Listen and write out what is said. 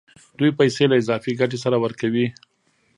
دوی پیسې له اضافي ګټې سره ورکوي